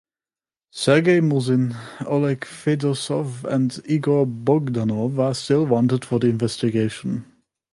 Sergey Musin, Oleg Fedosov and Igor Bogdanov are still wanted for the investigation.